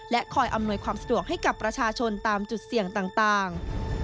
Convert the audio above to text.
คอยอำนวยความสะดวกให้กับประชาชนตามจุดเสี่ยงต่าง